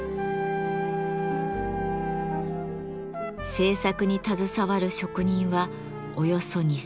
制作に携わる職人はおよそ２，０００人。